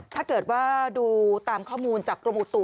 ถ้าเกิดว่าดูตามข้อมูลจากกรมอุตุ